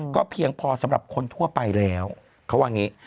ก็เพียงพอสำหรับคนทั่วไปแล้วเขาว่าอย่างนี้